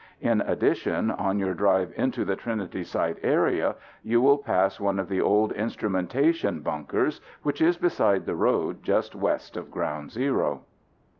In addition, on your drive into the Trinity Site area you will pass one of the old instrumentation bunkers which is beside the road just west of ground zero.